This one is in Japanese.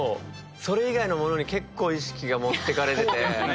それ以外のものに結構意識が持ってかれてて。